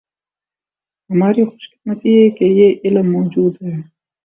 ہماری خوش قسمتی ہے کہ یہ علم موجود ہے